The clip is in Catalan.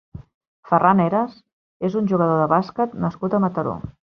Ferrán Heras és un jugador de bàsquet nascut a Mataró.